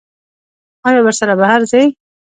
ایا ورسره بهر ځئ؟